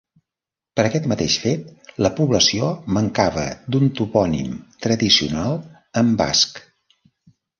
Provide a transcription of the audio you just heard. Per aquest mateix fet la població mancava d'un topònim tradicional en basc.